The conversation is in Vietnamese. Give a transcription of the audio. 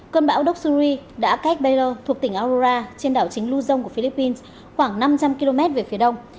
cơn bão doxury đã cách baylor thuộc tỉnh aura trên đảo chính luzon của philippines khoảng năm trăm linh km về phía đông